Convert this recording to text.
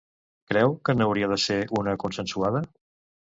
Creu que n'hauria de ser una consensuada?